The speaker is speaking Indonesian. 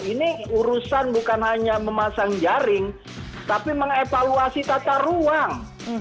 ini urusan bukan hanya memasang jaring tapi mengevaluasi tata ruang